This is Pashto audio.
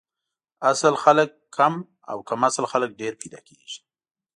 اصل خلک کم او کم اصل خلک ډېر پیدا کیږي